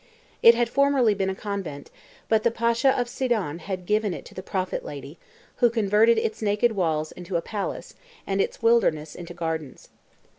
It had formerly been a convent, but the Pasha of Sidon had given it to the "prophet lady," who converted its naked walls into a palace, and its wilderness into gardens.